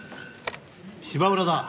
芝浦だ。